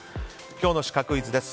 今日のシカクイズです。